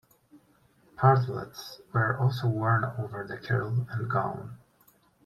Partlets were also worn over the kirtle and gown.